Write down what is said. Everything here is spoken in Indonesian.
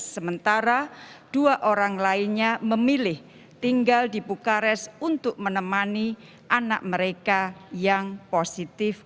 sementara dua orang lainnya memilih tinggal di bukares untuk menemani anak mereka yang positif